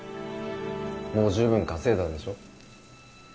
もう十分稼いだでしょ